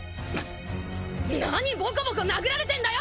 何ボコボコ殴られてんだよ！